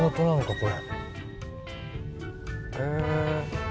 これ。